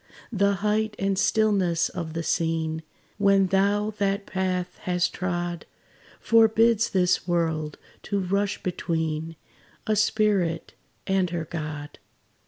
The height and stillness of the scene, When thou that path hast trod, Forbids this world to rush between A spirit and her God.